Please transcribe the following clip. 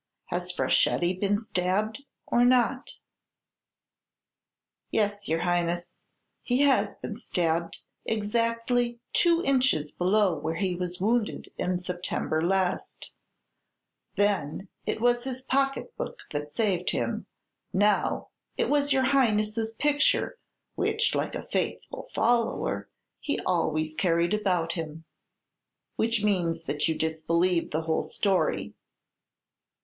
Has Fraschetti been stabbed, or not?" "Yes, your Highness, he has been stabbed exactly two inches below where he was wounded in September last, then, it was his pocket book saved him; now, it was your Highness's picture, which, like a faithful follower, he always carried about him." "Which means, that you disbelieve the whole story."